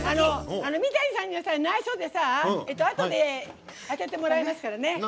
三谷さんには、ないしょであとで当ててもらいますからね。